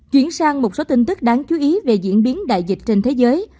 chuyển sang một số tin tức đáng chú ý về diễn biến đại dịch trên thế giới